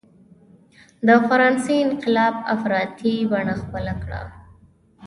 د فرانسې انقلاب افراطي بڼه خپله کړه.